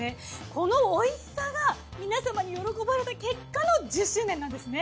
この美味しさが皆様に喜ばれた結果の１０周年なんですね。